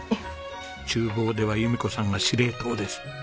厨房では由美子さんが司令塔です。